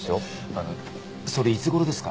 あのそれいつ頃ですか？